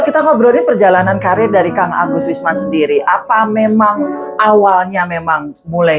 kita ngobrolin perjalanan karir dari kang agus wisman sendiri apa memang awalnya memang mulai